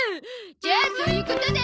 じゃあそーゆーことで！